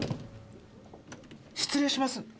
失礼します。